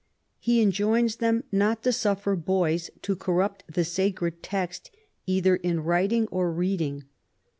He enjoins them not to suffer boys to corrupt the sacred text either in writing or reading.